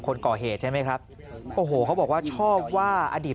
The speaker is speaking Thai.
คนก่อเหตุใช่ไหมครับโอ้โหเขาบอกว่าชอบว่าอดีต